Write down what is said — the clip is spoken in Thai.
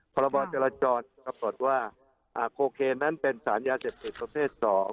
พรบจรจรตำรวจว่าโคเคนั้นเป็นสารยาเสพสิทธิ์ประเภท๒